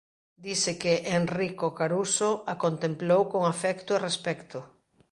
Dise que Enrico Caruso a "contemplou con afecto e respecto".